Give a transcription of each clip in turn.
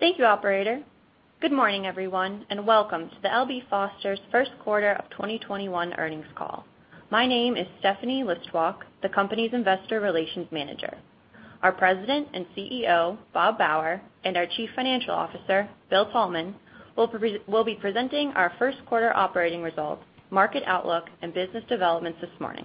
Thank you, operator. Good morning, everyone, welcome to the L.B. Foster's first quarter of 2021 earnings call. My name is Stephanie Listwalk, the company's Investor Relations Manager. Our President and CEO, Bob Bauer, and our Chief Financial Officer, Bill Thalman, will be presenting our first quarter operating results, market outlook, and business developments this morning.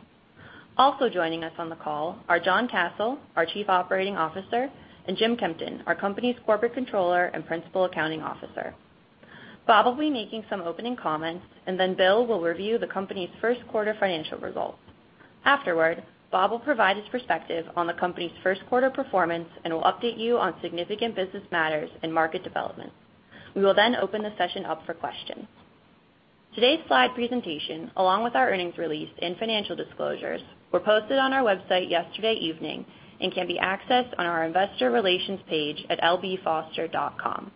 Also joining us on the call are John Kasel, our Chief Operating Officer, and Jim Kempton, our company's Corporate Controller and Principal Accounting Officer. Bob will be making some opening comments, then Bill will review the company's first quarter financial results. Afterward, Bob will provide his perspective on the company's first quarter performance and will update you on significant business matters and market developments. We will then open the session up for questions. Today's slide presentation, along with our earnings release and financial disclosures, were posted on our website yesterday evening and can be accessed on our investor relations page at lbfoster.com.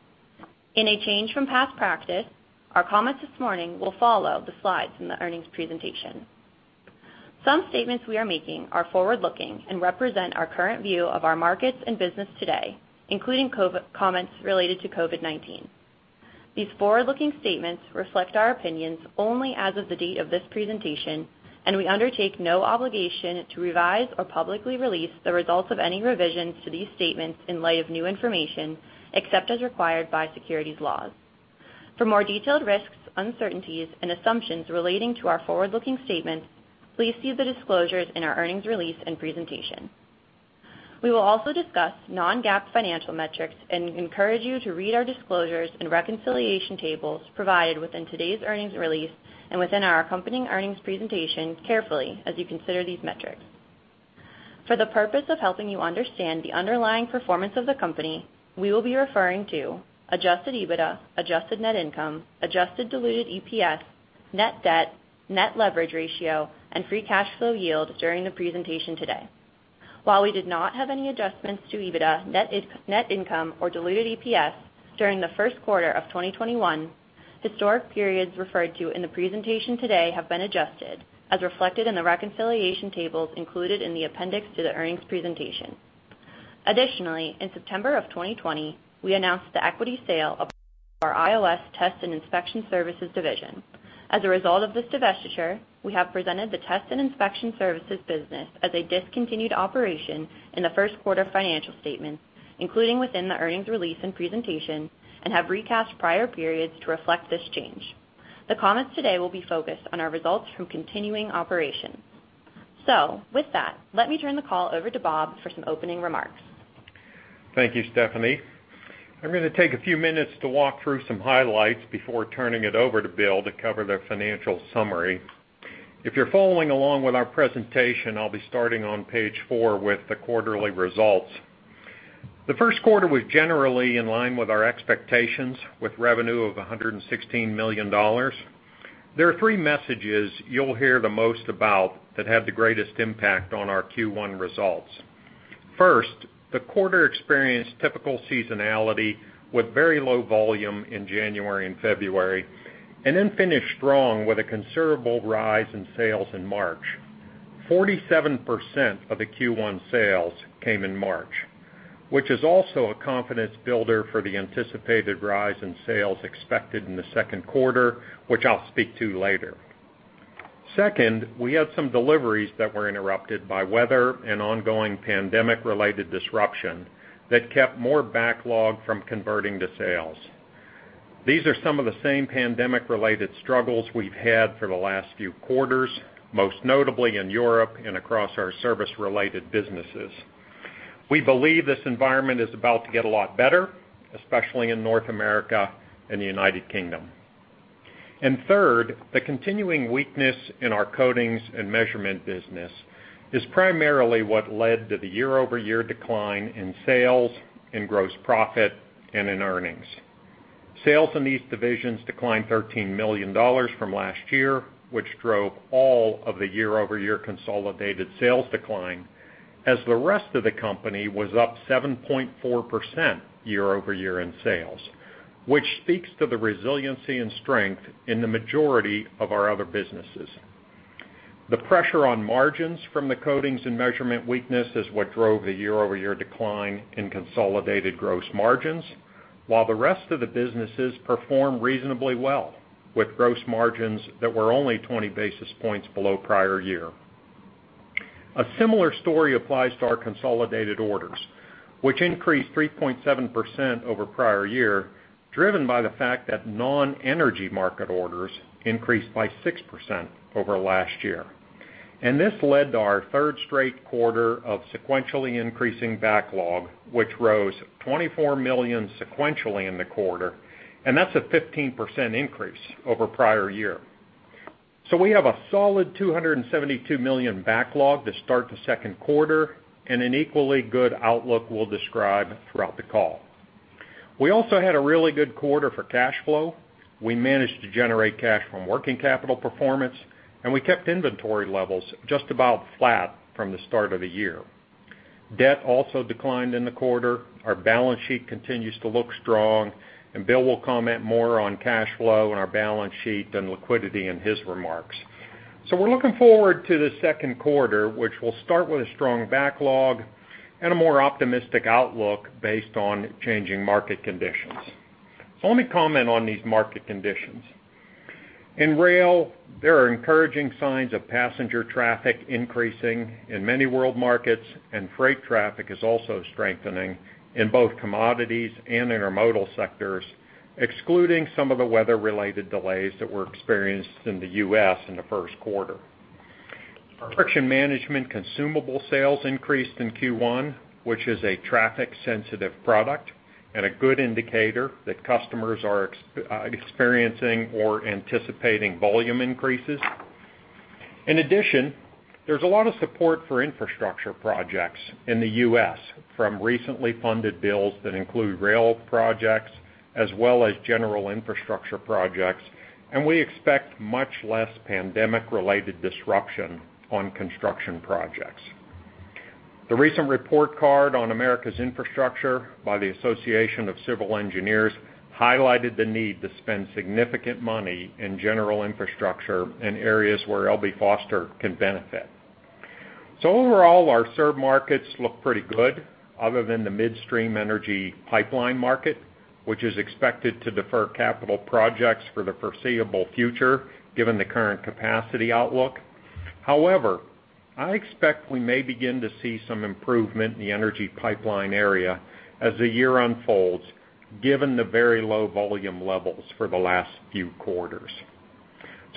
In a change from past practice, our comments this morning will follow the slides in the earnings presentation. Some statements we are making are forward-looking and represent our current view of our markets and business today, including comments related to COVID-19. These forward-looking statements reflect our opinions only as of the date of this presentation, and we undertake no obligation to revise or publicly release the results of any revisions to these statements in light of new information, except as required by securities laws. For more detailed risks, uncertainties, and assumptions relating to our forward-looking statements, please see the disclosures in our earnings release and presentation. We will also discuss non-GAAP financial metrics and encourage you to read our disclosures and reconciliation tables provided within today's earnings release and within our accompanying earnings presentation carefully as you consider these metrics. For the purpose of helping you understand the underlying performance of the company, we will be referring to adjusted EBITDA, adjusted net income, adjusted diluted EPS, net debt, net leverage ratio, and free cash flow yield during the presentation today. While we did not have any adjustments to EBITDA, net income, or diluted EPS during the first quarter of 2021, historic periods referred to in the presentation today have been adjusted as reflected in the reconciliation tables included in the appendix to the earnings presentation. Additionally, in September of 2020, we announced the equity sale of our IOS Test and Inspection Services division. As a result of this divestiture, we have presented the test and inspection services business as a discontinued operation in the first quarter financial statements, including within the earnings release and presentation, and have recast prior periods to reflect this change. The comments today will be focused on our results from continuing operations. With that, let me turn the call over to Bob for some opening remarks. Thank you, Stephanie. I'm going to take a few minutes to walk through some highlights before turning it over to Bill to cover the financial summary. If you're following along with our presentation, I'll be starting on page four with the quarterly results. The first quarter was generally in line with our expectations with revenue of $116 million. There are three messages you'll hear the most about that had the greatest impact on our Q1 results. First, the quarter experienced typical seasonality with very low volume in January and February, and then finished strong with a considerable rise in sales in March. 47% of the Q1 sales came in March, which is also a confidence builder for the anticipated rise in sales expected in the second quarter, which I'll speak to later. Second, we had some deliveries that were interrupted by weather and ongoing pandemic-related disruption that kept more backlog from converting to sales. These are some of the same pandemic-related struggles we've had for the last few quarters, most notably in Europe and across our service-related businesses. We believe this environment is about to get a lot better, especially in North America and the United Kingdom. Third, the continuing weakness in our Protective Pipe Coatings business is primarily what led to the year-over-year decline in sales, in gross profit, and in earnings. Sales in these divisions declined $13 million from last year, which drove all of the year-over-year consolidated sales decline as the rest of the company was up 7.4% year-over-year in sales, which speaks to the resiliency and strength in the majority of our other businesses. The pressure on margins from the Protective Pipe Coatings weakness is what drove the year-over-year decline in consolidated gross margins, while the rest of the businesses performed reasonably well with gross margins that were only 20 basis points below prior year. A similar story applies to our consolidated orders, which increased 3.7% over prior year, driven by the fact that non-energy market orders increased by 6% over last year. This led to our third straight quarter of sequentially increasing backlog, which rose $24 million sequentially in the quarter, and that's a 15% increase over prior year. We have a solid $272 million backlog to start the second quarter and an equally good outlook we'll describe throughout the call. We also had a really good quarter for cash flow. We managed to generate cash from working capital performance, and we kept inventory levels just about flat from the start of the year. Debt also declined in the quarter. Our balance sheet continues to look strong, and Bill will comment more on cash flow and our balance sheet and liquidity in his remarks. We're looking forward to the second quarter, which will start with a strong backlog and a more optimistic outlook based on changing market conditions. Let me comment on these market conditions. In rail, there are encouraging signs of passenger traffic increasing in many world markets, and freight traffic is also strengthening in both commodities and intermodal sectors, excluding some of the weather-related delays that were experienced in the U.S. in the first quarter. Friction Management consumable sales increased in Q1, which is a traffic-sensitive product and a good indicator that customers are experiencing or anticipating volume increases. In addition, there's a lot of support for infrastructure projects in the U.S. from recently funded bills that include rail projects, as well as general infrastructure projects, and we expect much less pandemic-related disruption on construction projects. The recent Report Card on America's Infrastructure by the American Society of Civil Engineers highlighted the need to spend significant money in general infrastructure in areas where L.B. Foster can benefit. Overall, our served markets look pretty good other than the midstream energy pipeline market, which is expected to defer capital projects for the foreseeable future, given the current capacity outlook. However, I expect we may begin to see some improvement in the energy pipeline area as the year unfolds, given the very low volume levels for the last few quarters.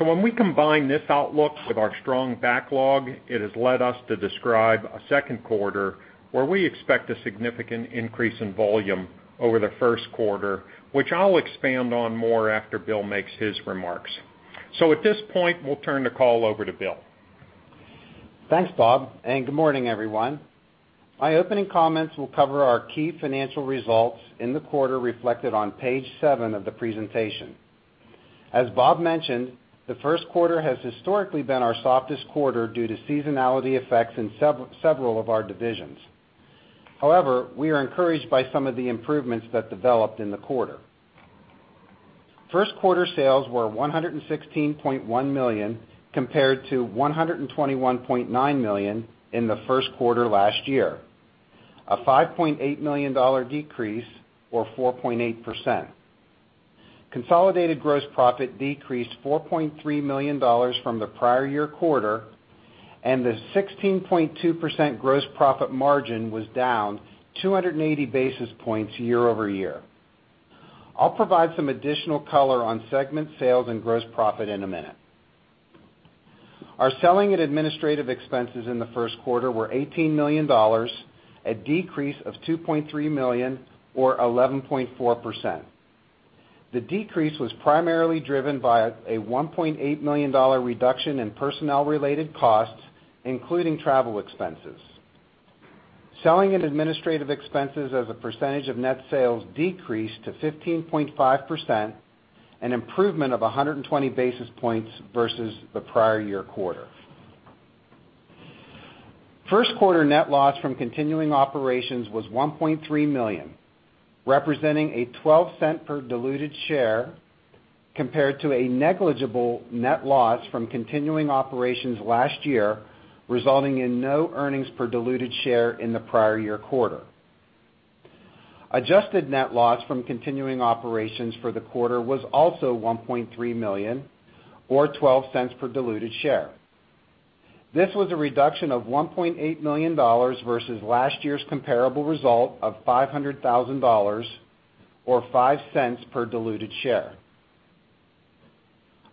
When we combine this outlook with our strong backlog, it has led us to describe a second quarter where we expect a significant increase in volume over the first quarter, which I'll expand on more after Bill makes his remarks. At this point, we'll turn the call over to Bill. Thanks, Bob. Good morning, everyone. My opening comments will cover our key financial results in the quarter reflected on page seven of the presentation. As Bob mentioned, the first quarter has historically been our softest quarter due to seasonality effects in several of our divisions. However, we are encouraged by some of the improvements that developed in the quarter. First quarter sales were $116.1 million, compared to $121.9 million in the first quarter last year, a $5.8 million decrease or 4.8%. Consolidated gross profit decreased $4.3 million from the prior year quarter, and the 16.2% gross profit margin was down 280 basis points year-over-year. I'll provide some additional color on segment sales and gross profit in a minute. Our selling and administrative expenses in the first quarter were $18 million, a decrease of $2.3 million or 11.4%. The decrease was primarily driven by a $1.8 million reduction in personnel-related costs, including travel expenses. Selling and administrative expenses as a percentage of net sales decreased to 15.5%, an improvement of 120 basis points versus the prior year quarter. First quarter net loss from continuing operations was $1.3 million, representing a $0.12 per diluted share, compared to a negligible net loss from continuing operations last year, resulting in no earnings per diluted share in the prior year quarter. Adjusted net loss from continuing operations for the quarter was also $1.3 million or $0.12 per diluted share. This was a reduction of $1.8 million versus last year's comparable result of $500,000 or $0.05 per diluted share.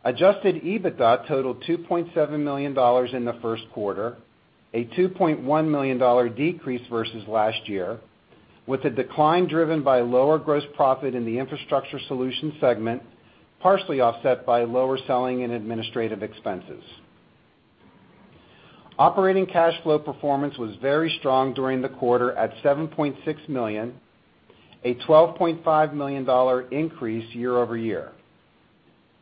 Adjusted EBITDA totaled $2.7 million in the first quarter, a $2.1 million decrease versus last year, with the decline driven by lower gross profit in the Infrastructure Solutions segment, partially offset by lower selling and administrative expenses. Operating cash flow performance was very strong during the quarter at $7.6 million, a $12.5 million increase year-over-year.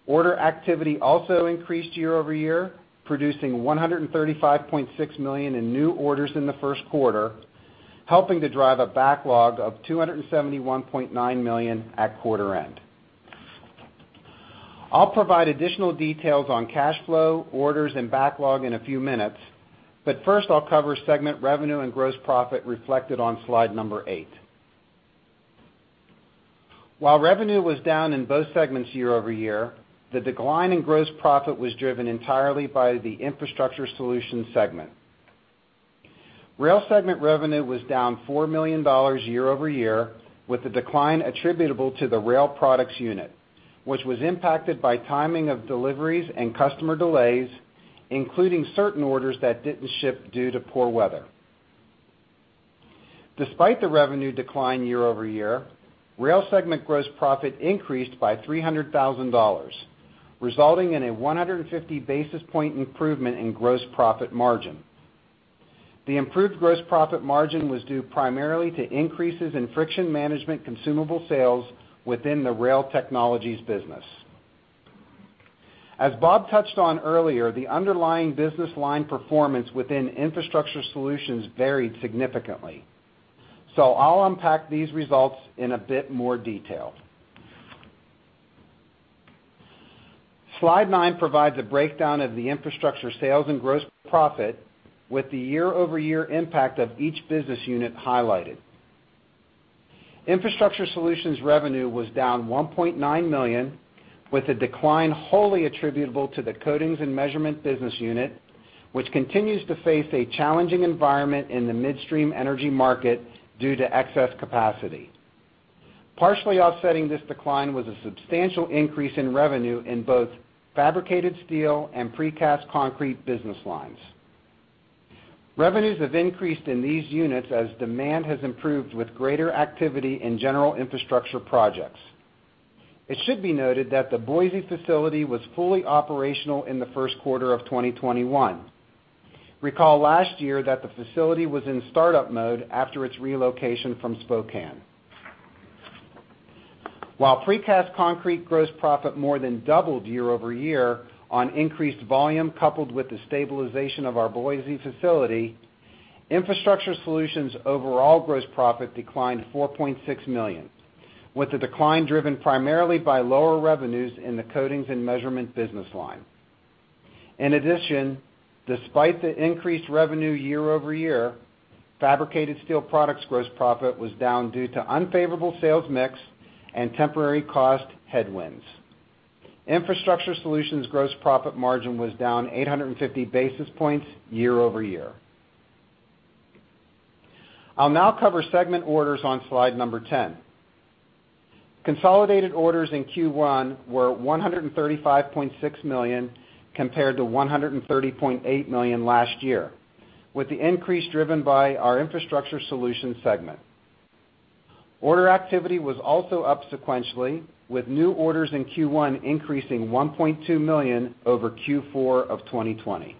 Order activity also increased year-over-year, producing $135.6 million in new orders in the first quarter, helping to drive a backlog of $271.9 million at quarter end. I'll provide additional details on cash flow, orders, and backlog in a few minutes, but first I'll cover segment revenue and gross profit reflected on slide number eight. While revenue was down in both segments year-over-year, the decline in gross profit was driven entirely by the Infrastructure Solutions segment. Rail segment revenue was down $4 million year-over-year, with the decline attributable to the Rail Products unit, which was impacted by timing of deliveries and customer delays, including certain orders that didn't ship due to poor weather. Despite the revenue decline year-over-year, Rail segment gross profit increased by $300,000, resulting in a 150 basis point improvement in gross profit margin. The improved gross profit margin was due primarily to increases in Friction Management consumable sales within the Rail Technologies business. As Bob touched on earlier, the underlying business line performance within Infrastructure Solutions varied significantly. I'll unpack these results in a bit more detail. Slide nine provides a breakdown of the Infrastructure sales and gross profit with the year-over-year impact of each business unit highlighted. Infrastructure Solutions revenue was down $1.9 million with a decline wholly attributable to the Protective Pipe Coatings business unit, which continues to face a challenging environment in the midstream energy market due to excess capacity. Partially offsetting this decline was a substantial increase in revenue in both fabricated steel and precast concrete business lines. Revenues have increased in these units as demand has improved with greater activity in general infrastructure projects. It should be noted that the Boise facility was fully operational in the first quarter of 2021. Recall last year that the facility was in startup mode after its relocation from Spokane. While precast concrete gross profit more than doubled year-over-year on increased volume, coupled with the stabilization of our Boise facility, Infrastructure Solutions' overall gross profit declined $4.6 million, with the decline driven primarily by lower revenues in the Protective Pipe Coatings business line. In addition, despite the increased revenue year-over-year, fabricated steel products gross profit was down due to unfavorable sales mix and temporary cost headwinds. Infrastructure Solutions' gross profit margin was down 850 basis points year-over-year. I'll now cover segment orders on slide number 10. Consolidated orders in Q1 were $135.6 million, compared to $130.8 million last year, with the increase driven by our Infrastructure Solutions segment. Order activity was also up sequentially, with new orders in Q1 increasing $1.2 million over Q4 of 2020.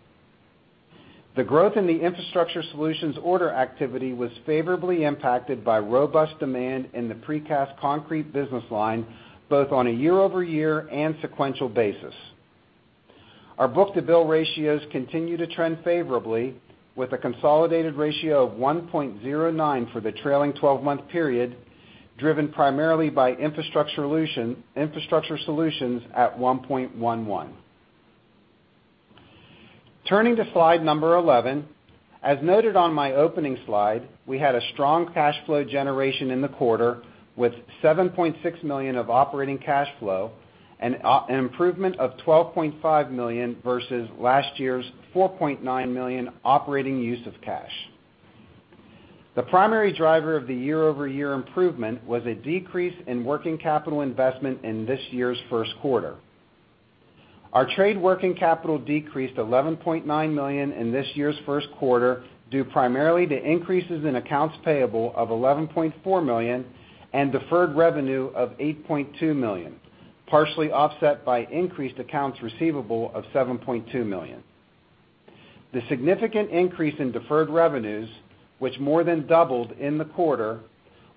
The growth in the Infrastructure Solutions order activity was favorably impacted by robust demand in the precast concrete business line, both on a year-over-year and sequential basis. Our book-to-bill ratios continue to trend favorably, with a consolidated ratio of 1.09 for the trailing 12-month period, driven primarily by Infrastructure Solutions at 1.11. Turning to slide number 11. As noted on my opening slide, we had a strong cash flow generation in the quarter, with $7.6 million of operating cash flow, an improvement of $12.5 million versus last year's $4.9 million operating use of cash. The primary driver of the year-over-year improvement was a decrease in working capital investment in this year's first quarter. Our trade working capital decreased $11.9 million in this year's first quarter, due primarily to increases in accounts payable of $11.4 million and deferred revenue of $8.2 million, partially offset by increased accounts receivable of $7.2 million. The significant increase in deferred revenues, which more than doubled in the quarter,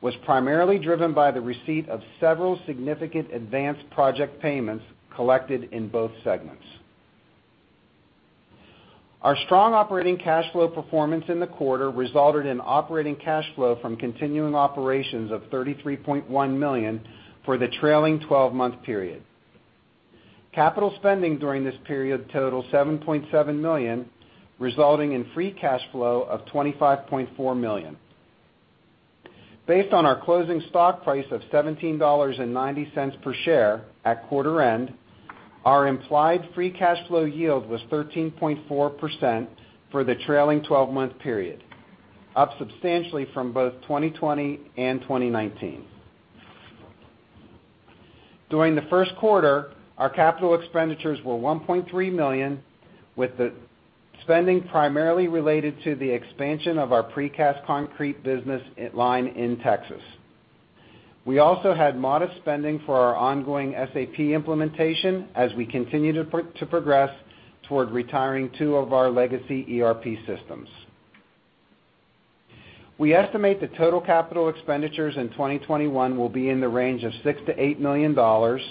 was primarily driven by the receipt of several significant advanced project payments collected in both segments. Our strong operating cash flow performance in the quarter resulted in operating cash flow from continuing operations of $33.1 million for the trailing 12-month period. Capital spending during this period total $7.7 million, resulting in free cash flow of $25.4 million. Based on our closing stock price of $17.90 per share at quarter end, our implied free cash flow yield was 13.4% for the trailing 12-month period, up substantially from both 2020 and 2019. During the first quarter, our capital expenditures were $1.3 million, with the spending primarily related to the expansion of our precast concrete business line in Texas. We also had modest spending for our ongoing SAP implementation as we continue to progress toward retiring two of our legacy ERP systems. We estimate the total capital expenditures in 2021 will be in the range of $6 million-$8 million,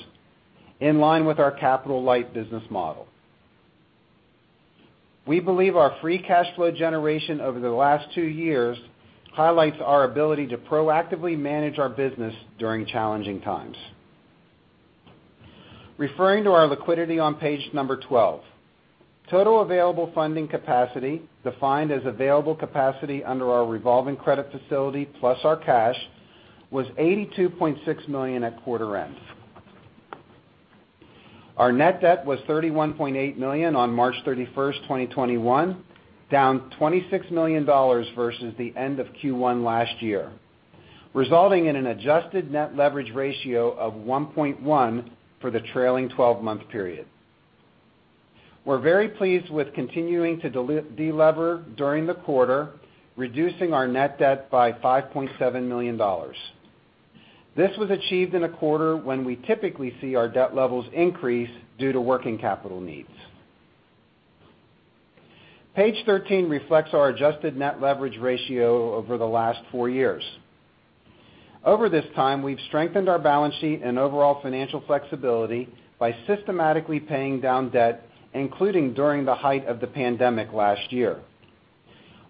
in line with our capital-light business model. We believe our free cash flow generation over the last two years highlights our ability to proactively manage our business during challenging times. Referring to our liquidity on page 12. Total available funding capacity, defined as available capacity under our revolving credit facility plus our cash, was $82.6 million at quarter end. Our net debt was $31.8 million on March 31, 2021, down $26 million versus the end of Q1 last year, resulting in an adjusted net leverage ratio of 1.1 for the trailing 12-month period. We're very pleased with continuing to de-lever during the quarter, reducing our net debt by $5.7 million. This was achieved in a quarter when we typically see our debt levels increase due to working capital needs. Page 13 reflects our adjusted net leverage ratio over the last four years. Over this time, we've strengthened our balance sheet and overall financial flexibility by systematically paying down debt, including during the height of the pandemic last year.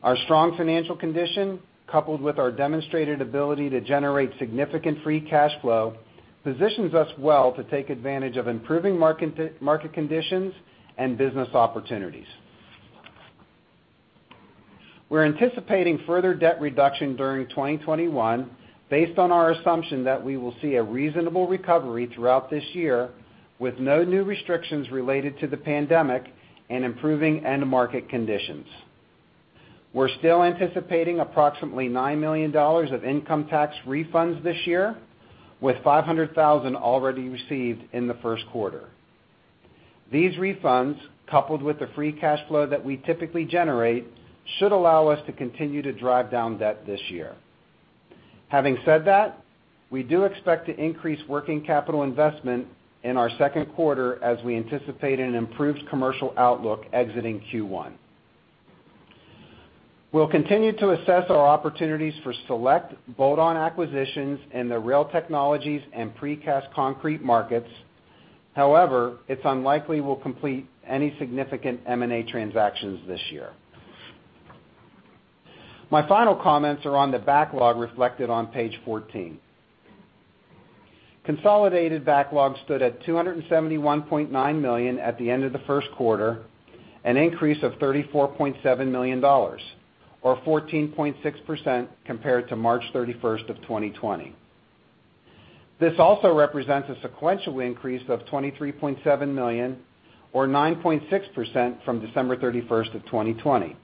Our strong financial condition, coupled with our demonstrated ability to generate significant free cash flow, positions us well to take advantage of improving market conditions and business opportunities. We're anticipating further debt reduction during 2021 based on our assumption that we will see a reasonable recovery throughout this year, with no new restrictions related to the pandemic and improving end market conditions. We're still anticipating approximately $9 million of income tax refunds this year, with $500,000 already received in the first quarter. These refunds, coupled with the free cash flow that we typically generate, should allow us to continue to drive down debt this year. Having said that, we do expect to increase working capital investment in our second quarter as we anticipate an improved commercial outlook exiting Q1. We'll continue to assess our opportunities for select bolt-on acquisitions in the rail technologies and precast concrete markets. It's unlikely we'll complete any significant M&A transactions this year. My final comments are on the backlog reflected on page 14. Consolidated backlog stood at $271.9 million at the end of the first quarter, an increase of $34.7 million, or 14.6% compared to March 31st, 2020. This also represents a sequential increase of $23.7 million, or 9.6% from December 31st, 2020.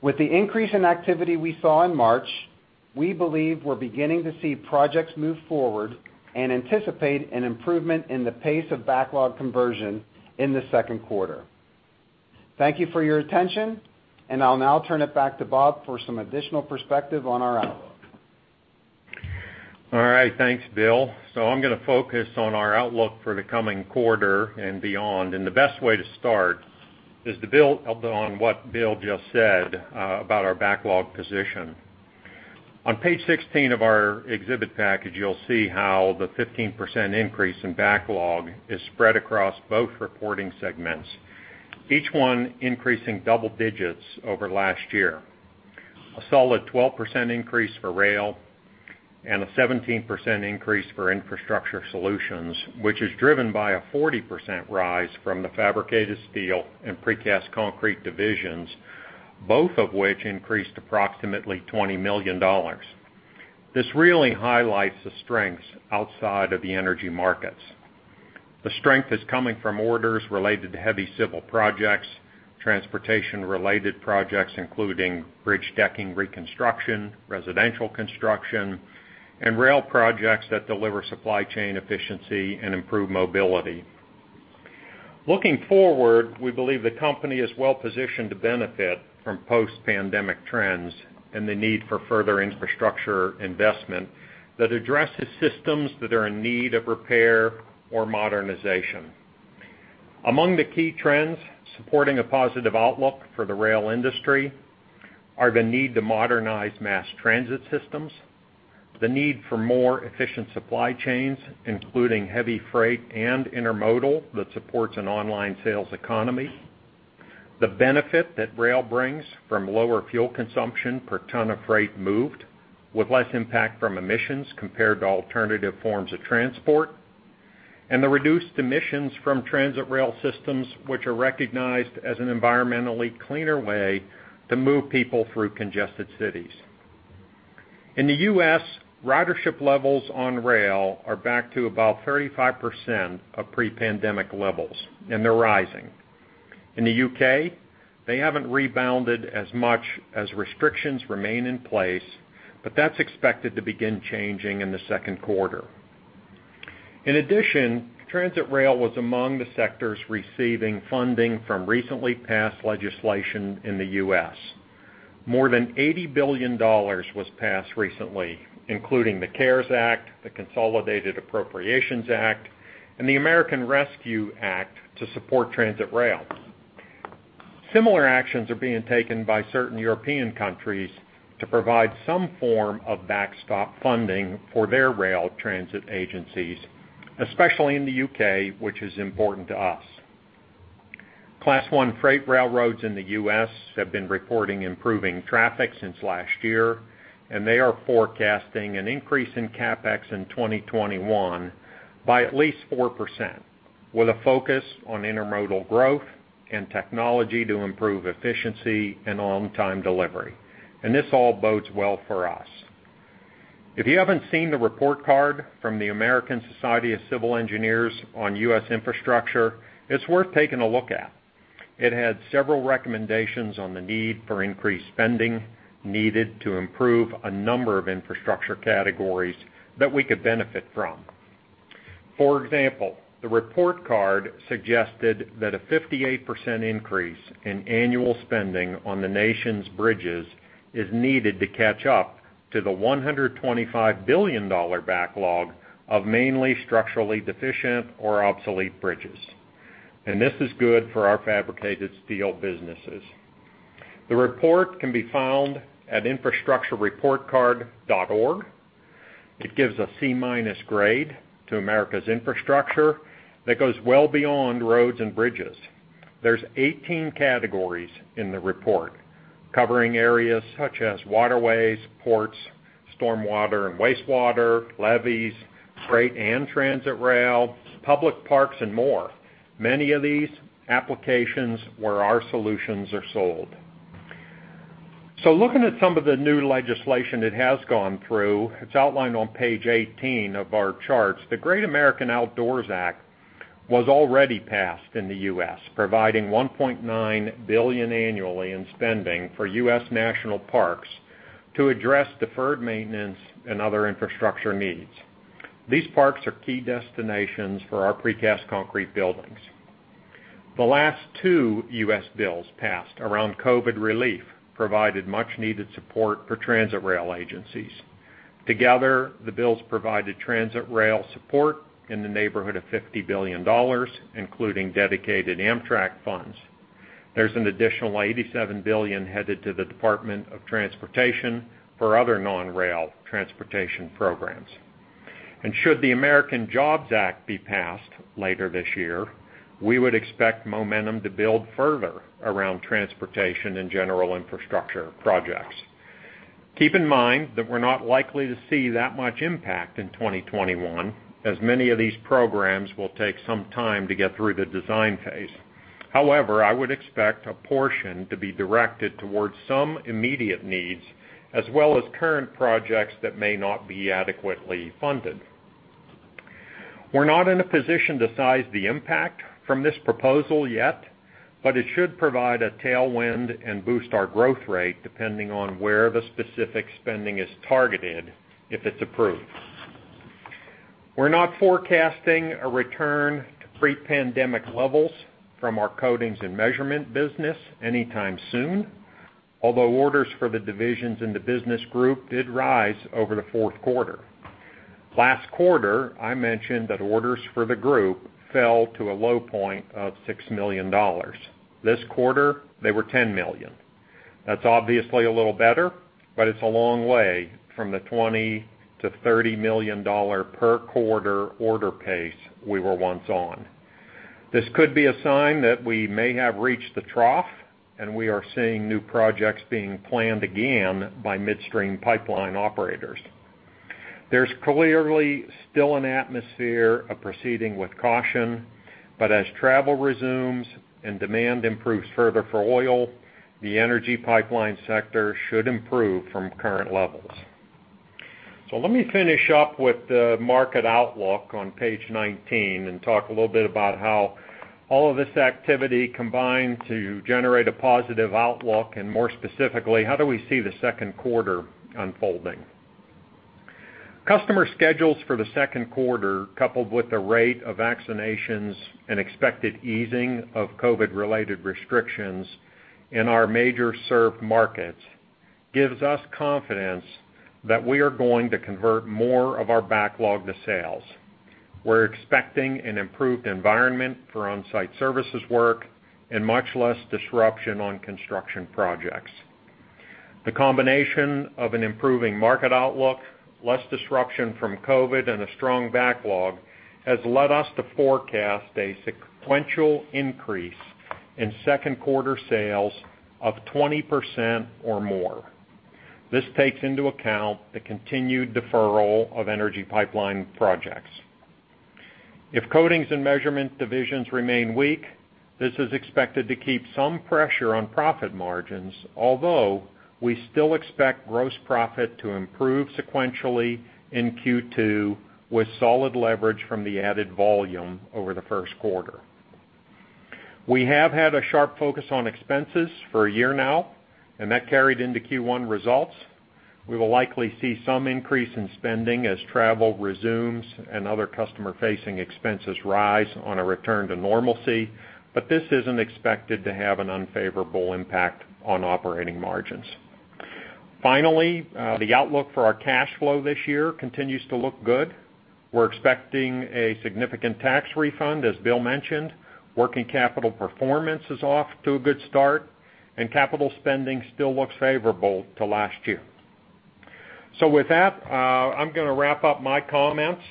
With the increase in activity we saw in March, we believe we're beginning to see projects move forward, and anticipate an improvement in the pace of backlog conversion in the second quarter. Thank you for your attention. I'll now turn it back to Bob for some additional perspective on our outlook. Thanks, Bill. I'm going to focus on our outlook for the coming quarter and beyond. The best way to start is to build upon what Bill just said about our backlog position. On page 16 of our exhibit package, you'll see how the 15% increase in backlog is spread across both reporting segments, each one increasing double digits over last year. A solid 12% increase for Rail, and a 17% increase for Infrastructure Solutions, which is driven by a 40% rise from the fabricated steel and precast concrete divisions, both of which increased approximately $20 million. This really highlights the strengths outside of the energy markets. The strength is coming from orders related to heavy civil projects, transportation-related projects, including bridge decking reconstruction, residential construction, and rail projects that deliver supply chain efficiency and improve mobility. Looking forward, we believe the company is well positioned to benefit from post-pandemic trends and the need for further infrastructure investment that addresses systems that are in need of repair or modernization. Among the key trends supporting a positive outlook for the rail industry are the need to modernize mass transit systems, the need for more efficient supply chains, including heavy freight and intermodal that supports an online sales economy, the benefit that rail brings from lower fuel consumption per ton of freight moved with less impact from emissions compared to alternative forms of transport, and the reduced emissions from transit rail systems, which are recognized as an environmentally cleaner way to move people through congested cities. In the U.S., ridership levels on rail are back to about 35% of pre-pandemic levels, and they're rising. In the U.K., they haven't rebounded as much as restrictions remain in place, but that's expected to begin changing in the second quarter. In addition, transit rail was among the sectors receiving funding from recently passed legislation in the U.S. More than $80 billion was passed recently, including the CARES Act, the Consolidated Appropriations Act, and the American Rescue Act to support transit rail. Similar actions are being taken by certain European countries to provide some form of backstop funding for their rail transit agencies, especially in the U.K., which is important to us. Class I freight railroads in the U.S. have been reporting improving traffic since last year, and they are forecasting an increase in CapEx in 2021 by at least 4%, with a focus on intermodal growth and technology to improve efficiency and on-time delivery. This all bodes well for us. If you haven't seen the report card from the American Society of Civil Engineers on U.S. infrastructure, it's worth taking a look at. It had several recommendations on the need for increased spending needed to improve a number of infrastructure categories that we could benefit from. For example, the report card suggested that a 58% increase in annual spending on the nation's bridges is needed to catch up to the $125 billion backlog of mainly structurally deficient or obsolete bridges. This is good for our fabricated steel businesses. The report can be found at infrastructurereportcard.org. It gives a C-minus grade to America's infrastructure that goes well beyond roads and bridges. There's 18 categories in the report, covering areas such as waterways, ports, stormwater and wastewater, levees, freight and transit rail, public parks, and more, many of these applications where our solutions are sold. Looking at some of the new legislation that has gone through, it's outlined on page 18 of our charts. The Great American Outdoors Act was already passed in the U.S., providing $1.9 billion annually in spending for U.S. national parks to address deferred maintenance and other infrastructure needs. These parks are key destinations for our precast concrete buildings. The last two U.S. bills passed around COVID relief provided much needed support for transit rail agencies. Together, the bills provided transit rail support in the neighborhood of $50 billion, including dedicated Amtrak funds. There's an additional $87 billion headed to the Department of Transportation for other non-rail transportation programs. Should the American Jobs Act be passed later this year, we would expect momentum to build further around transportation and general infrastructure projects. Keep in mind that we're not likely to see that much impact in 2021, as many of these programs will take some time to get through the design phase. However, I would expect a portion to be directed towards some immediate needs, as well as current projects that may not be adequately funded. We're not in a position to size the impact from this proposal yet, but it should provide a tailwind and boost our growth rate depending on where the specific spending is targeted, if it's approved. We're not forecasting a return to pre-pandemic levels from our coatings and measurement business anytime soon. Although orders for the divisions in the business group did rise over the fourth quarter. Last quarter, I mentioned that orders for the group fell to a low point of $6 million. This quarter, they were $10 million. That's obviously a little better, it's a long way from the $20 million-$30 million per quarter order pace we were once on. This could be a sign that we may have reached the trough, we are seeing new projects being planned again by midstream pipeline operators. There's clearly still an atmosphere of proceeding with caution, as travel resumes and demand improves further for oil, the energy pipeline sector should improve from current levels. Let me finish up with the market outlook on page 19 and talk a little bit about how all of this activity combined to generate a positive outlook, and more specifically, how do we see the second quarter unfolding. Customer schedules for the second quarter, coupled with the rate of vaccinations and expected easing of COVID-related restrictions in our major served markets, gives us confidence that we are going to convert more of our backlog to sales. We're expecting an improved environment for on-site services work and much less disruption on construction projects. The combination of an improving market outlook, less disruption from COVID, and a strong backlog has led us to forecast a sequential increase in second quarter sales of 20% or more. This takes into account the continued deferral of energy pipeline projects. If coatings and measurement divisions remain weak, this is expected to keep some pressure on profit margins, although we still expect gross profit to improve sequentially in Q2 with solid leverage from the added volume over the first quarter. We have had a sharp focus on expenses for a year now, and that carried into Q1 results. We will likely see some increase in spending as travel resumes and other customer-facing expenses rise on a return to normalcy, but this isn't expected to have an unfavorable impact on operating margins. Finally, the outlook for our cash flow this year continues to look good. We're expecting a significant tax refund, as Bill mentioned. Working capital performance is off to a good start, and capital spending still looks favorable to last year. With that, I'm going to wrap up my comments.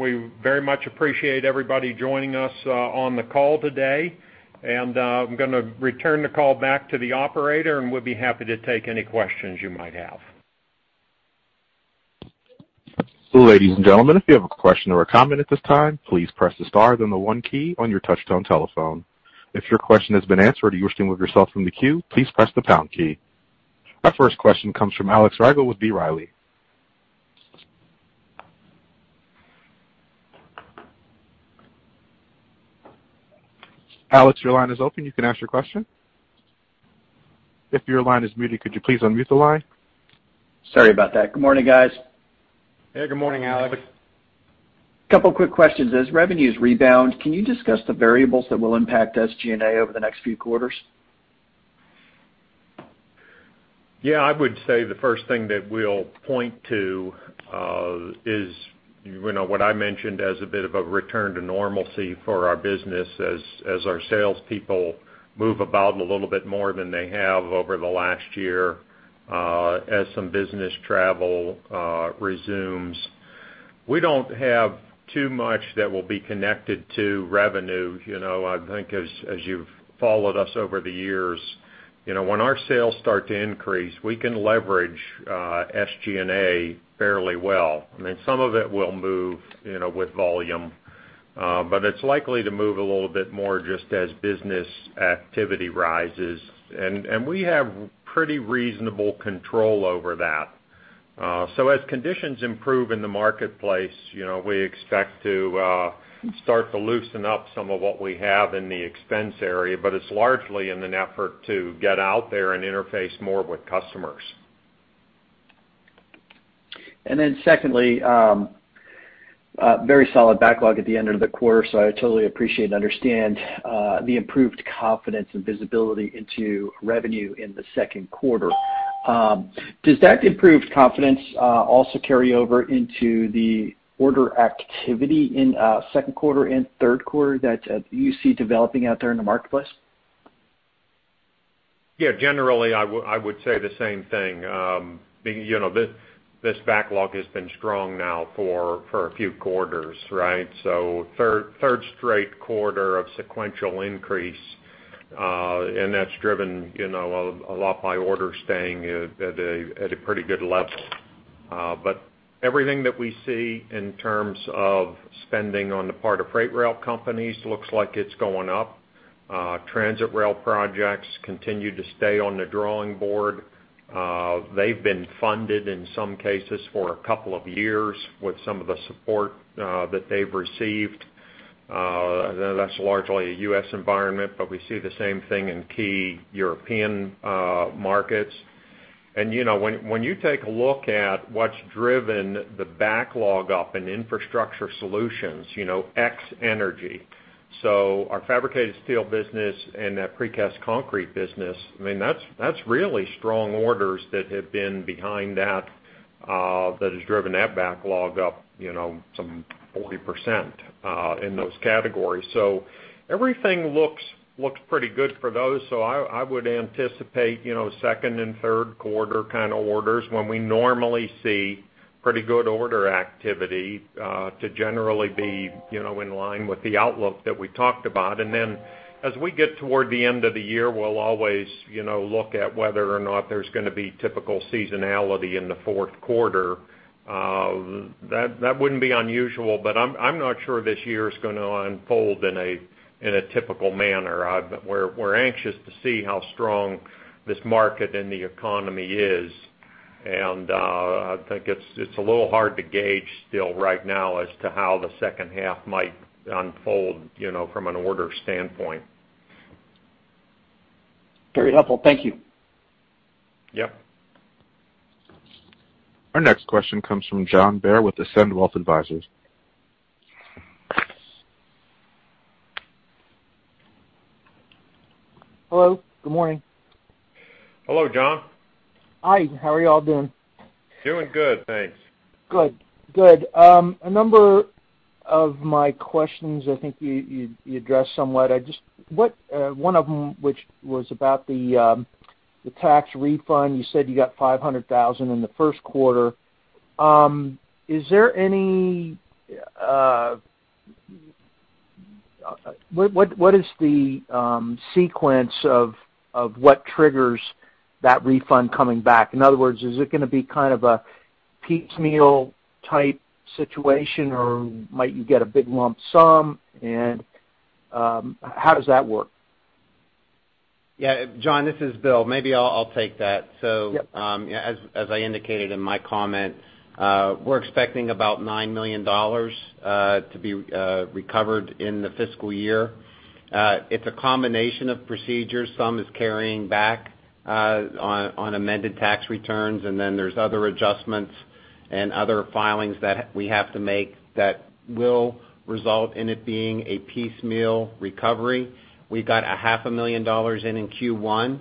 We very much appreciate everybody joining us on the call today, and I'm going to return the call back to the operator, and we'll be happy to take any questions you might have. Ladies and gentlemen, if you have a question or a comment at this time, please press the star then the one key on your touch tone telephone. If your question has been answered or you're wishing to remove yourself from the queue, please press the pound key. Our first question comes from Alex Rygiel with B. Riley. Alex, your line is open. You can ask your question. If your line is muted, could you please unmute the line? Sorry about that. Good morning, guys. Hey. Good morning, Alex. A couple quick questions. As revenues rebound, can you discuss the variables that will impact SG&A over the next few quarters? Yeah. I would say the first thing that we'll point to is what I mentioned as a bit of a return to normalcy for our business as our salespeople move about a little bit more than they have over the last year, as some business travel resumes. We don't have too much that will be connected to revenue. I think as you've followed us over the years, when our sales start to increase, we can leverage SG&A fairly well. Some of it will move with volume. It's likely to move a little bit more just as business activity rises. We have pretty reasonable control over that. As conditions improve in the marketplace, we expect to start to loosen up some of what we have in the expense area. It's largely in an effort to get out there and interface more with customers. Secondly, very solid backlog at the end of the quarter, so I totally appreciate and understand the improved confidence and visibility into revenue in the second quarter. Does that improved confidence also carry over into the order activity in second quarter and third quarter that you see developing out there in the marketplace? Generally, I would say the same thing. This backlog has been strong now for a few quarters, right? Third straight quarter of sequential increase, and that's driven a lot by orders staying at a pretty good level. Everything that we see in terms of spending on the part of freight rail companies looks like it's going up. Transit rail projects continue to stay on the drawing board. They've been funded, in some cases, for a couple of years with some of the support that they've received. That's largely a U.S. environment, but we see the same thing in key European markets. When you take a look at what's driven the backlog up in Infrastructure Solutions, ex energy. Our fabricated steel business and that precast concrete business, that's really strong orders that have been behind that has driven that backlog up some 40% in those categories. Everything looks pretty good for those. I would anticipate second and third quarter kind of orders when we normally see pretty good order activity to generally be in line with the outlook that we talked about. Then as we get toward the end of the year, we'll always look at whether or not there's going to be typical seasonality in the fourth quarter. That wouldn't be unusual, but I'm not sure this year is going to unfold in a typical manner. We're anxious to see how strong this market and the economy is, and I think it's a little hard to gauge still right now as to how the second half might unfold from an order standpoint. Very helpful. Thank you. Yep. Our next question comes from John Bair with Ascend Wealth Advisors. Hello. Good morning. Hello, John. Hi. How are you all doing? Doing good, thanks. Good. A number of my questions, I think you addressed somewhat. One of them, which was about the tax refund, you said you got $500,000 in the first quarter. What is the sequence of what triggers that refund coming back? In other words, is it going to be kind of a piecemeal type situation, or might you get a big lump sum? How does that work? Yeah, John, this is Bill. Maybe I'll take that. Yep. As I indicated in my comment, we're expecting about $9 million to be recovered in the fiscal year. It's a combination of procedures. Some is carrying back on amended tax returns, and then there's other adjustments and other filings that we have to make that will result in it being a piecemeal recovery. We got a half a million dollars in Q1.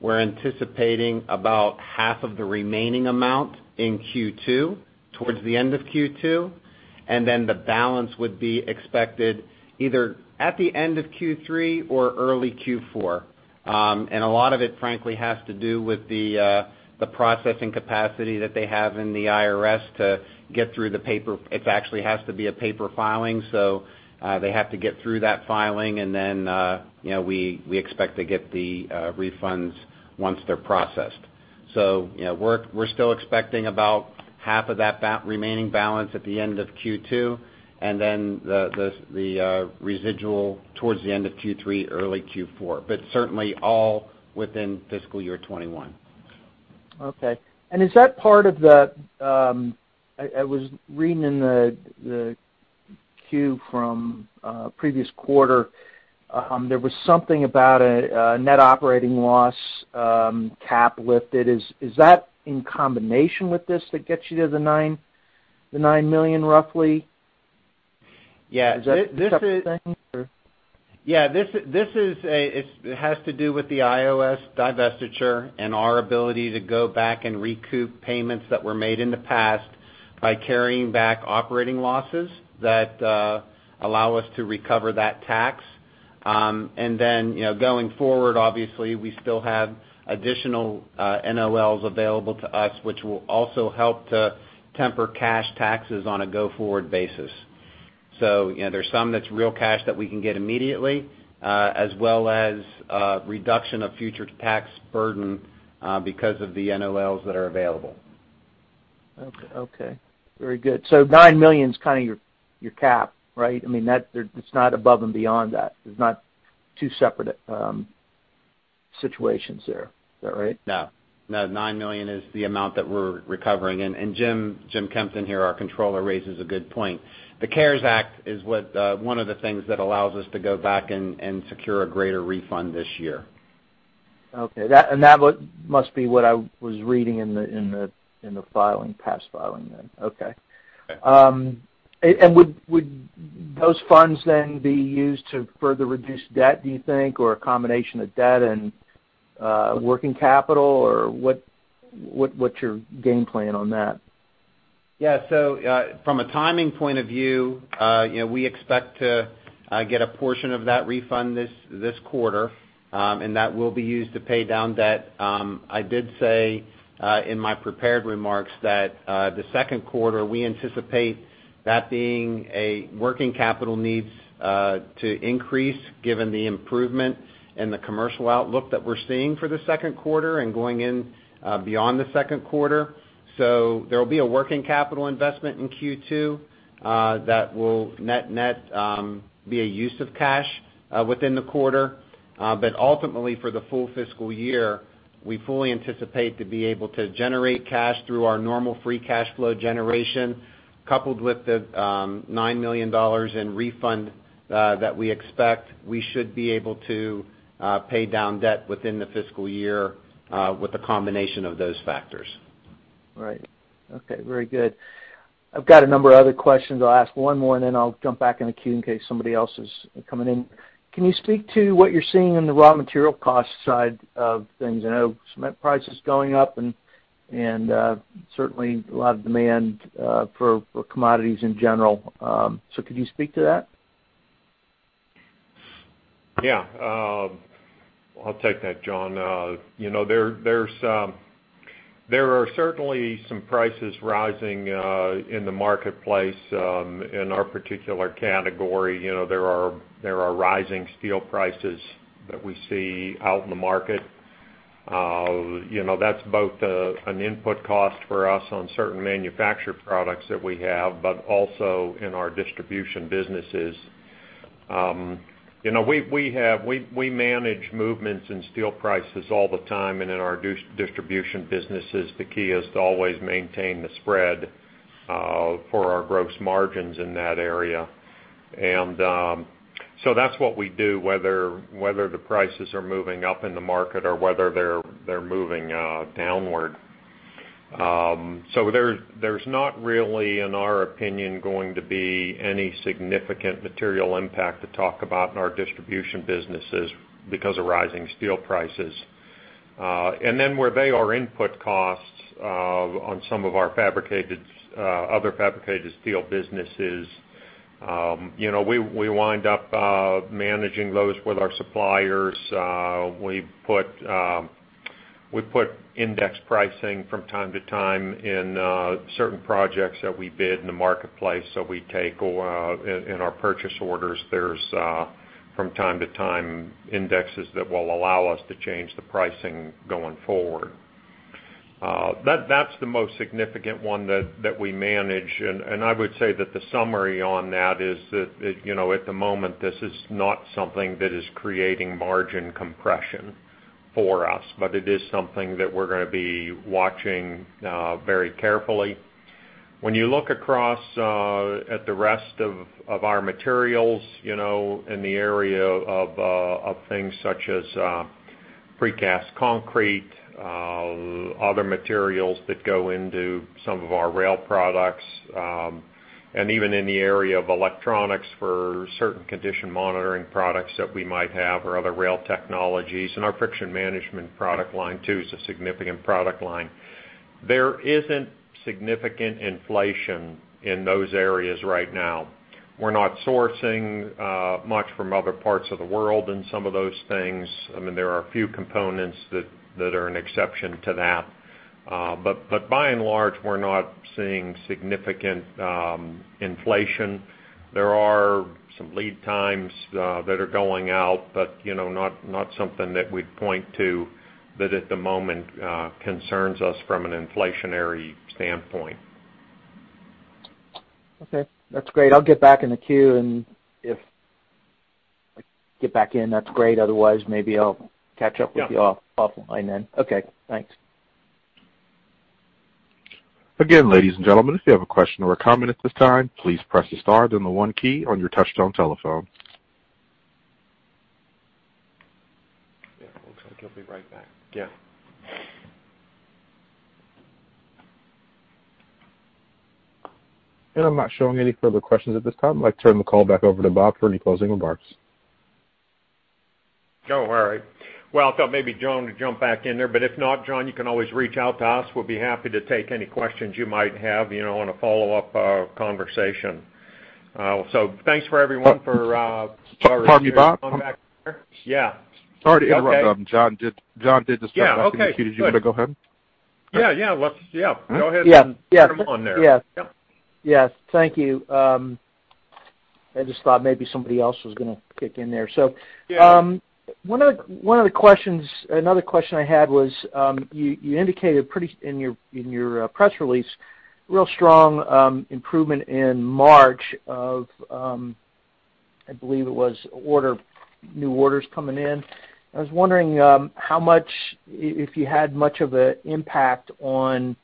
We're anticipating about half of the remaining amount in Q2, towards the end of Q2, and then the balance would be expected either at the end of Q3 or early Q4. A lot of it, frankly, has to do with the processing capacity that they have in the IRS to get through the paper. It actually has to be a paper filing, so they have to get through that filing, and then we expect to get the refunds once they're processed. We're still expecting about half of that remaining balance at the end of Q2, and then the residual towards the end of Q3, early Q4. Certainly all within fiscal year 2021. Okay. I was reading in the Q from previous quarter, there was something about a net operating loss cap lifted. Is that in combination with this that gets you to the $9 million roughly? Yeah. Is that the type of thing or? Yeah. This has to do with the IOS divestiture and our ability to go back and recoup payments that were made in the past by carrying back operating losses that allow us to recover that tax. Then, going forward, obviously, we still have additional NOLs available to us, which will also help to temper cash taxes on a go-forward basis. There's some that's real cash that we can get immediately, as well as a reduction of future tax burden because of the NOLs that are available. Very good. $9 million is kind of your cap, right? I mean, it's not above and beyond that. There's not two separate situations there. Is that right? No. $9 million is the amount that we're recovering. James Kempton here, our Controller, raises a good point. The CARES Act is one of the things that allows us to go back and secure a greater refund this year. Okay. That must be what I was reading in the past filing then. Okay. Okay. Would those funds then be used to further reduce debt, do you think, or a combination of debt and working capital? What's your game plan on that? From a timing point of view, we expect to get a portion of that refund this quarter, and that will be used to pay down debt. I did say, in my prepared remarks that, the second quarter, we anticipate that being a working capital needs to increase given the improvement in the commercial outlook that we're seeing for the second quarter and going in beyond the second quarter. There will be a working capital investment in Q2 that will net-net be a use of cash within the quarter. Ultimately, for the full fiscal year, we fully anticipate to be able to generate cash through our normal free cash flow generation coupled with the $9 million in refund that we expect. We should be able to pay down debt within the fiscal year with a combination of those factors. Right. Okay. Very good. I've got a number of other questions. I'll ask one more, and then I'll jump back in the queue in case somebody else is coming in. Can you speak to what you're seeing on the raw material cost side of things? I know cement prices going up and certainly a lot of demand for commodities in general. Could you speak to that? Yeah. I'll take that, John. There are certainly some prices rising in the marketplace in our particular category. There are rising steel prices that we see out in the market. That's both an input cost for us on certain manufactured products that we have, but also in our distribution businesses. We manage movements in steel prices all the time, and in our distribution businesses, the key is to always maintain the spread for our gross margins in that area. That's what we do, whether the prices are moving up in the market or whether they're moving downward. There's not really, in our opinion, going to be any significant material impact to talk about in our distribution businesses because of rising steel prices. Where they are input costs on some of our other fabricated steel businesses. We wind up managing those with our suppliers. We put index pricing from time to time in certain projects that we bid in the marketplace. We take in our purchase orders, there's from time to time indexes that will allow us to change the pricing going forward. That's the most significant one that we manage, and I would say that the summary on that is that at the moment, this is not something that is creating margin compression for us, but it is something that we're going to be watching very carefully. When you look across at the rest of our materials, in the area of things such as precast concrete, other materials that go into some of our Rail Products, and even in the area of electronics for certain condition monitoring products that we might have or other rail technologies, and our Friction Management product line, too, is a significant product line. There isn't significant inflation in those areas right now. We're not sourcing much from other parts of the world in some of those things. I mean, there are a few components that are an exception to that. By and large, we're not seeing significant inflation. There are some lead times that are going out, but not something that we'd point to that at the moment concerns us from an inflationary standpoint. Okay. That's great. I'll get back in the queue, and if I get back in, that's great. Otherwise, maybe I'll catch up with you off-line then. Yeah. Okay, thanks. Again, ladies and gentlemen, if you have a question or a comment at this time, please press the star then the one key on your touchtone telephone. I think he'll be right back. Yeah. I'm not showing any further questions at this time. I'd like to turn the call back over to Bob for any closing remarks. Don't worry. Well, I thought maybe John would jump back in there, but if not, John, you can always reach out to us. We'll be happy to take any questions you might have on a follow-up conversation. Thanks for everyone. Pardon me, Bob. Yeah. Sorry to interrupt. Yeah. Okay. Okay, do you want to go ahead? Yeah. Go ahead. Yeah. Bring him on there. Yes. Thank you. I just thought maybe somebody else was going to kick in there. Yeah. Another question I had was you indicated in your press release, real strong improvement in March of, I believe it was new orders coming in. I was wondering if you had much of an impact on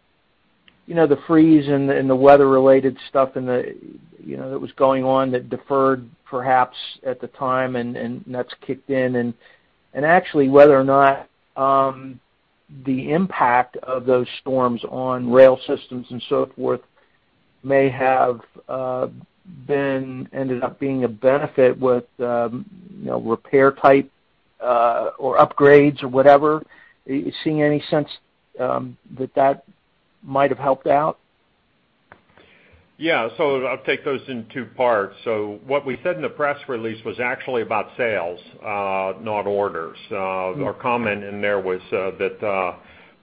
the freeze and the weather-related stuff that was going on that deferred perhaps at the time, and that's kicked in. Actually, whether or not the impact of those storms on rail systems and so forth may have ended up being a benefit with repair type or upgrades or whatever. You seeing any sense that that might have helped out? I'll take those in two parts. What we said in the press release was actually about sales, not orders. Our comment in there was that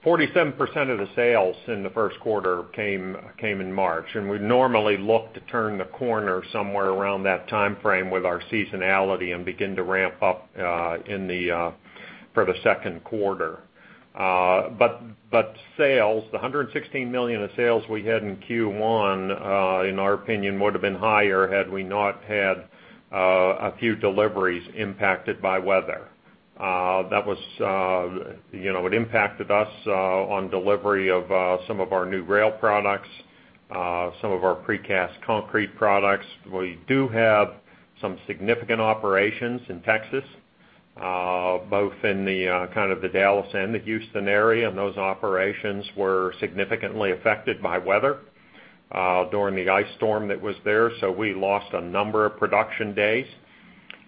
47% of the sales in the first quarter came in March. We'd normally look to turn the corner somewhere around that timeframe with our seasonality and begin to ramp up for the second quarter. Sales, the $116 million of sales we had in Q1, in our opinion, would've been higher had we not had a few deliveries impacted by weather. It impacted us on delivery of some of our new Rail Products, some of our precast concrete products. We do have some significant operations in Texas, both in the Dallas and the Houston area, and those operations were significantly affected by weather during the ice storm that was there. We lost a number of production days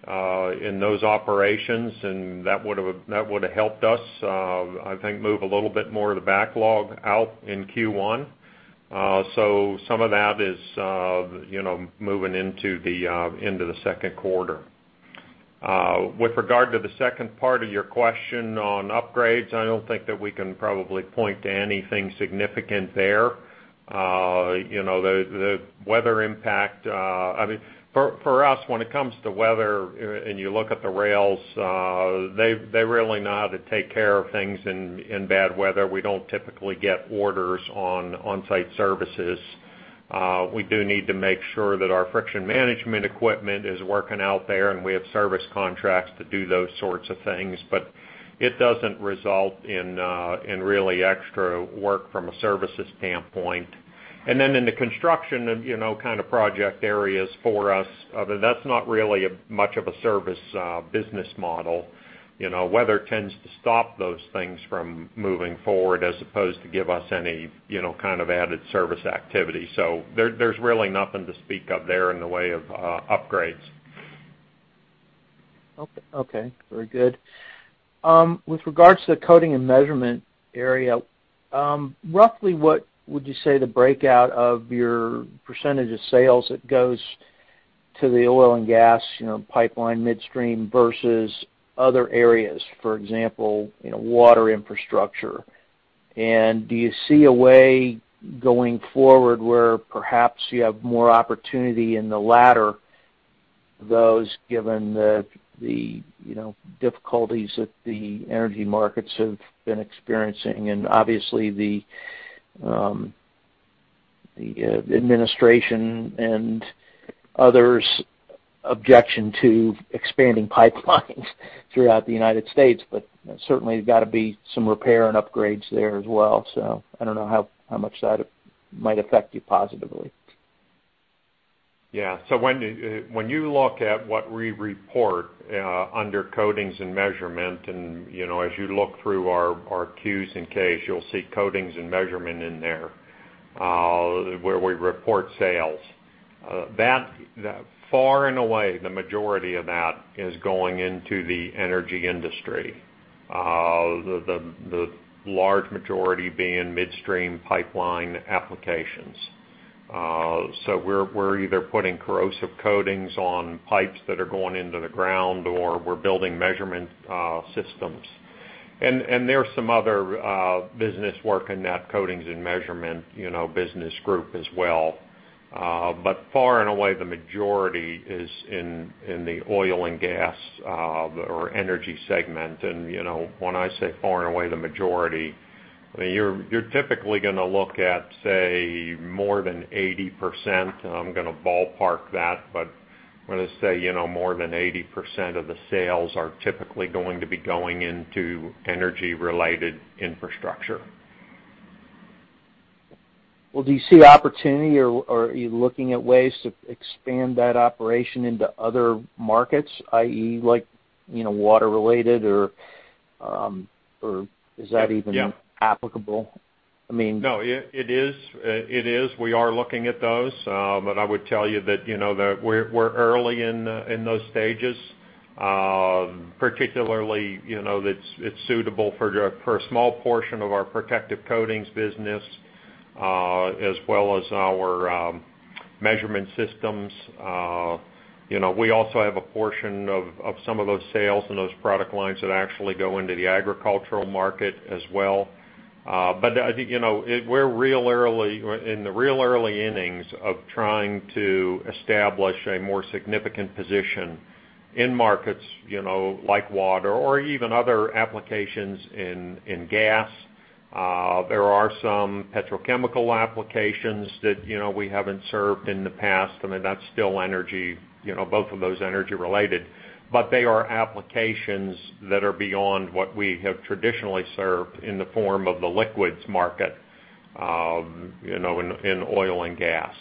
in those operations, and that would've helped us, I think, move a little bit more of the backlog out in Q1. Some of that is moving into the second quarter. With regard to the second part of your question on upgrades, I don't think that we can probably point to anything significant there. For us, when it comes to weather, and you look at the rails, they really know how to take care of things in bad weather. We don't typically get orders on onsite services. We do need to make sure that our Friction Management equipment is working out there, and we have service contracts to do those sorts of things. It doesn't result in really extra work from a services standpoint. In the construction kind of project areas for us, that's not really much of a service business model. Weather tends to stop those things from moving forward as opposed to give us any kind of added service activity. There's really nothing to speak of there in the way of upgrades. Okay. Very good. With regards to the coating and measurement area, roughly what would you say the breakout of your percentage of sales that goes to the oil and gas pipeline midstream versus other areas? For example, water infrastructure. Do you see a way going forward where perhaps you have more opportunity in the latter of those, given the difficulties that the energy markets have been experiencing, and obviously the administration and others' objection to expanding pipelines throughout the United States. Certainly there's got to be some repair and upgrades there as well. I don't know how much that might affect you positively. Yeah. When you look at what we report under Protective Pipe Coatings, and as you look through our Qs and Ks, you'll see Protective Pipe Coatings in there where we report sales. Far and away, the majority of that is going into the energy industry, the large majority being midstream pipeline applications. We're either putting corrosive coatings on pipes that are going into the ground, or we're building measurement systems. There's some other business work in that Protective Pipe Coatings business group as well. Far and away, the majority is in the oil and gas or energy segment. When I say far and away the majority, you're typically going to look at say more than 80%, and I'm going to ballpark that. When I say more than 80% of the sales are typically going to be going into energy-related infrastructure. Well, do you see opportunity, or are you looking at ways to expand that operation into other markets, i.e., water-related, or is that even applicable? No, it is. We are looking at those. I would tell you that we're early in those stages. Particularly, it's suitable for a small portion of our protective coatings business as well as our measurement systems. We also have a portion of some of those sales and those product lines that actually go into the agricultural market as well. I think we're in the real early innings of trying to establish a more significant position in markets like water or even other applications in gas. There are some petrochemical applications that we haven't served in the past. I mean, both of those energy-related, but they are applications that are beyond what we have traditionally served in the form of the liquids market in oil and gas.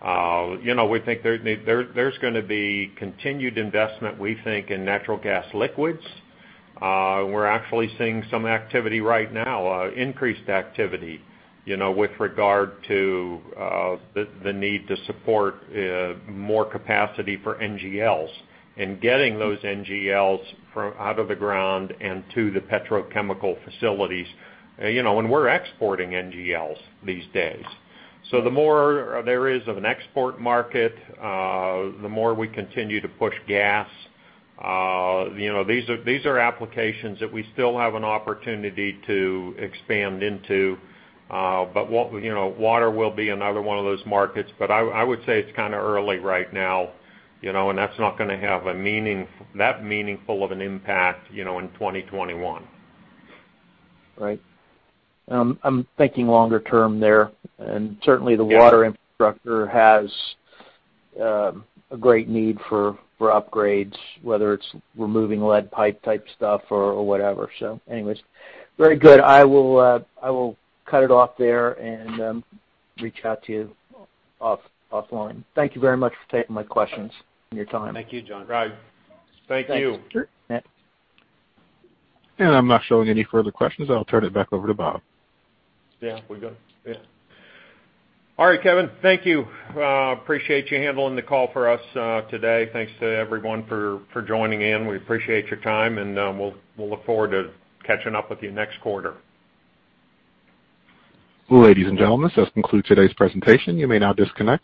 We think there's going to be continued investment, we think, in natural gas liquids. We're actually seeing some activity right now, increased activity, with regard to the need to support more capacity for NGLs and getting those NGLs out of the ground and to the petrochemical facilities. We're exporting NGLs these days. The more there is of an export market, the more we continue to push gas. These are applications that we still have an opportunity to expand into. Water will be another one of those markets, but I would say it's kind of early right now, and that's not going to have that meaningful of an impact in 2021. Right. I'm thinking longer term there. Certainly the water infrastructure has a great need for upgrades, whether it's removing lead pipe type stuff or whatever. Anyways. Very good. I will cut it off there and reach out to you offline. Thank you very much for taking my questions and your time. Thank you, John. Right. Thank you. Thanks. Sure. I'm not showing any further questions. I'll turn it back over to Bob. Yeah, we're good. Yeah. All right, Kevin. Thank you. Appreciate you handling the call for us today. Thanks to everyone for joining in. We appreciate your time, and we'll look forward to catching up with you next quarter. Ladies and gentlemen, this concludes today's presentation. You may now disconnect.